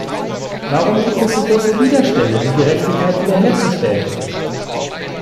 Warum gibt es so große Widerstände, die Gerechtigkeit wiederherzustellen.